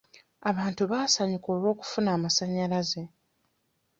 Abantu baasanyuka olw'okufuna amasanyalaze.